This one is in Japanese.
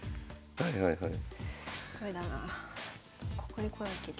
はいはいはい。